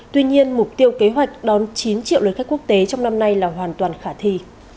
tuy nhiên mục tiêu kế hoạch đón chín triệu lượt khách quốc tế trong năm nay là hoàn toàn khả thi